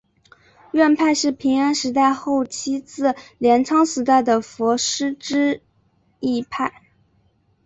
院派是平安时代后期至镰仓时代的佛师之一派。